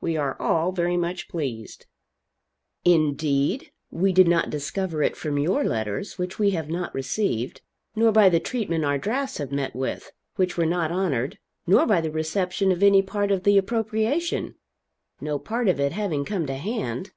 We are all very much pleased." "Indeed? We did not discover it from your letters which we have not received; nor by the treatment our drafts have met with which were not honored; nor by the reception of any part of the appropriation, no part of it having come to hand."